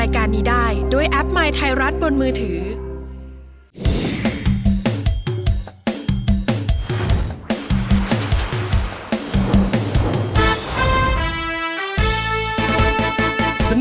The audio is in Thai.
คุณล่ะโหลดหรือยัง